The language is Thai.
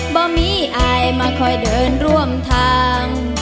บ่มีอายมาคอยเดินร่วมทาง